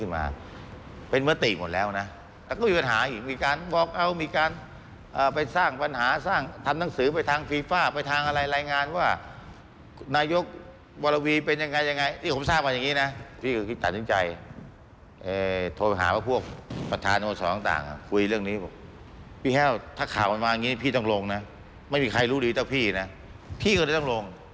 ไม่มีใครรู้ดีเต้าพี่นะพี่ก็เลยต้องลง